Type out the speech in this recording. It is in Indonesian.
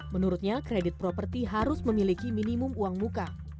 menurutnya kredit properti harus memiliki minimum uang muka